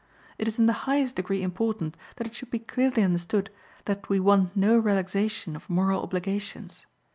It is in the highest degree important that it should be clearly understood that we want no relaxation of moral obligations.